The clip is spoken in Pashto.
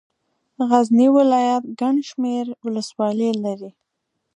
غزني ولايت ګڼ شمېر ولسوالۍ لري.